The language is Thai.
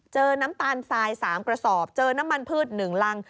น้ำตาลทราย๓กระสอบเจอน้ำมันพืช๑รัง